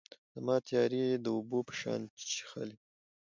زما تیارې یې د اوبو په شان چیښلي